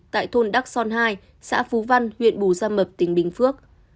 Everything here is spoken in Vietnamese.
tại thôn đắc son hai xã phú văn huyện bù gia mập tỉnh bình phước